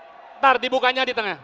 bentar dibukanya di tengah